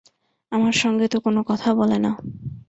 আমার সঙ্গে তো কোনো কথা বলে না।